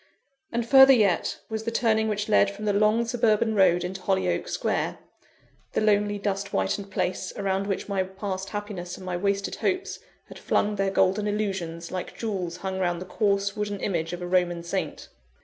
And further yet, was the turning which led from the long, suburban road into Hollyoake Square the lonely, dust whitened place, around which my past happiness and my wasted hopes had flung their golden illusions, like jewels hung round the coarse wooden image of a Roman saint.